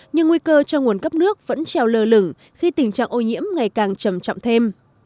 nhưng nguy cơ cho nguồn cấp nước vẫn treo lơ lửng khi tình trạng ô nhiễm ngày càng trầm trọng thêm